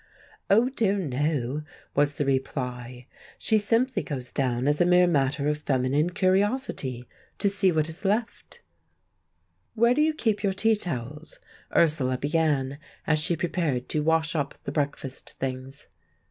"Oh, dear, no!" was the reply. "She simply goes down, as a mere matter of feminine curiosity, to see what is left." "Where do you keep your tea towels?" Ursula began, as she prepared to wash up the breakfast things.